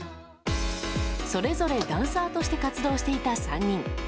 それぞれダンサーとして活動していた３人。